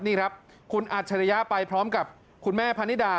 นี่ครับคุณอัจฉริยะไปพร้อมกับคุณแม่พะนิดา